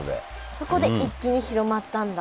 そこで一気に広まったんだ。